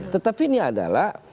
tetapi ini adalah